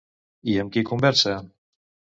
I amb qui conversa?